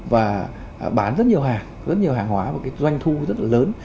và bán rất nhiều hàng rất nhiều hàng hóa và cái doanh thu rất là lớn